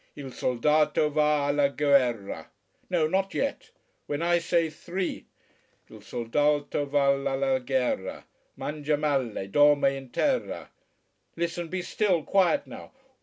Il soldato va alla guerra No no, Not yet. When I say three! Il soldato va alla guerra Mangia male, dorme in terra Listen. Be still. Quiet now.